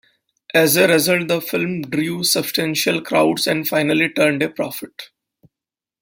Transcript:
As a result, the film drew substantial crowds and finally turned a profit.